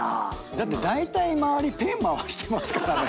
だってだいたい周りペン回してますからね。